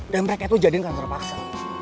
dan mereka tuh jadi kanter paksa